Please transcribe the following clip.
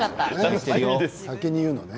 先に言うのね。